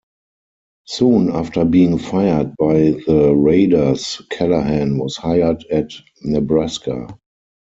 Soon after being fired by the Raiders, Callahan was hired at Nebraska.